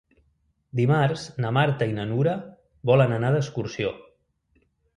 Dimarts na Marta i na Nura volen anar d'excursió.